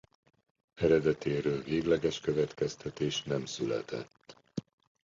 Eredetéről végleges következtetés nem született.